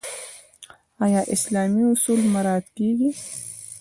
آیا اسلامي اصول مراعات کیږي؟